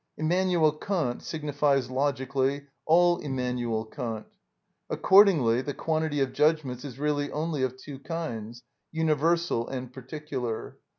"Immanuel Kant" signifies logically, "all Immanuel Kant." Accordingly the quantity of judgments is really only of two kinds—universal and particular.